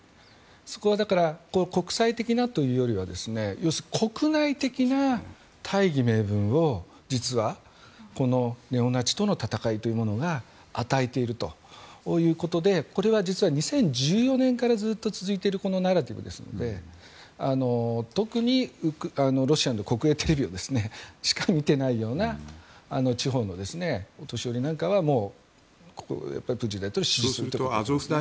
そこは、国際的なというよりは国内的な大義名分を実はネオナチとの戦いというものが与えているということでこれは実は２０１４年からずっと続いていることなので特に、ロシアの国営テレビしか見ていないような地方のお年寄りなんかはプーチン大統領を支持しているということですね。